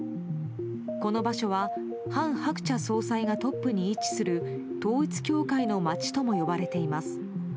この場所は韓鶴子総裁がトップに位置する統一教会の街とも呼ばれています。